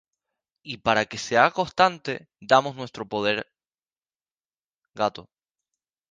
Y para que se haga constante damos nuestro poder gto.